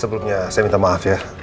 sebelumnya saya minta maaf ya